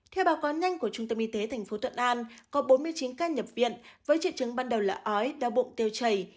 theo báo cáo nhanh của trung tâm y tế tp thuận an có bốn mươi chín ca nhập viện với triệu chứng ban đầu là ói đau bụng tiêu chảy